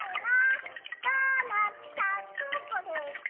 ドーナツさんどこですか？